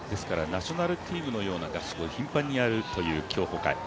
ナショナルチームのような合宿を頻繁にやるという競歩界。